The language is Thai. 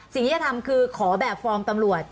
สิ่งที่จะทำคือขอแบบฟอร์มตำรวจ